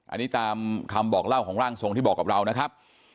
อันนี้ตามคำบอกเล่าของร่างทรงที่บอกกับเรานะครับ